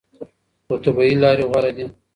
خو طبیعي لارې غوره دي.